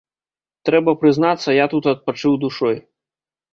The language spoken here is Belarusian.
Трэба прызнацца, я тут адпачыў душой.